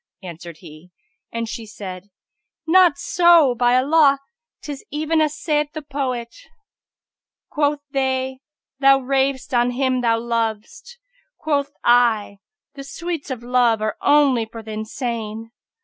answered he, and she said, "Not so, by Allah! 'tis even as saith the poet, 'Quoth they 'Thou rav'st on him thou lov'st': quoth I, * 'The sweets of love are only for th' insane!'